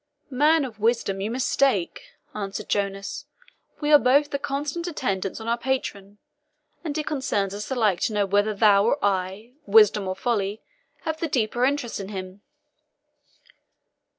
"Man of wisdom, you mistake," answered Jonas. "We are both the constant attendants on our patron, and it concerns us alike to know whether thou or I Wisdom or Folly have the deeper interest in him."